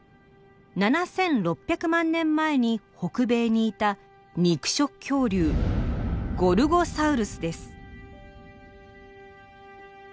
７，６００万年前に北米にいた肉食恐竜ゴルゴサウルスです。